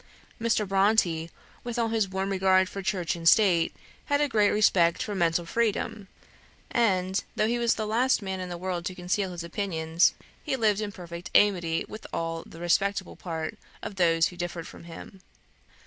Mr. Bronte, with all his warm regard for Church and State, had a great respect for mental freedom; and, though he was the last man in the world to conceal his opinions, he lived in perfect amity with all the respectable part of those who differed from him.